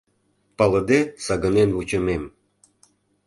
Палыде сагынен вучымем.